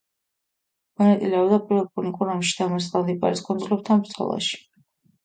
მონაწილეობდა პირველ პუნიკურ ომში, დამარცხდა ლიპარის კუნძულებთან ბრძოლაში.